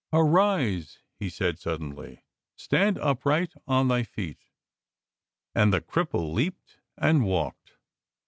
" Arise," he said suddenly, " stand upright on thy feet"; and the cripple leaped and walked.